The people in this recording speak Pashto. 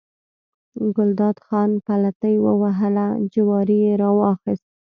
ګلداد خان پلتۍ ووهله، جواری یې راواخیست.